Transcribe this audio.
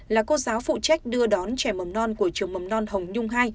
là cô giáo phụ trách đưa đón trẻ mầm non của trường mầm non hồng nhung hai